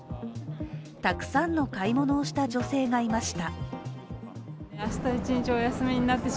たくさんの買い物をした女性がいました。